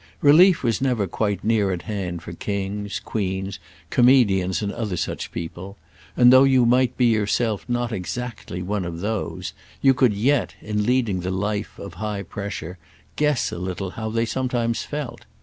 Relief was never quite near at hand for kings, queens, comedians and other such people, and though you might be yourself not exactly one of those, you could yet, in leading the life of high pressure, guess a little how they sometimes felt.